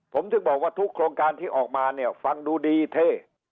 ผมถึงบอกว่าทุกโครงการที่ออกมาเนี่ยฟังดูดีเท่